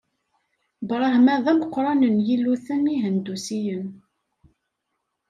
Brahma d ameqqran n yilluten ihendusiyen.